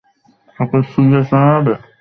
তাঁকে শূলে চড়াবে।